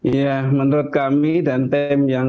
ya menurut kami dan tim yang